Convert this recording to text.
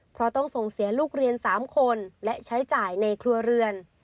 เพราะต้องส่งเสียลูกเรียน๓คนและใช้จ่ายในครัวเรือน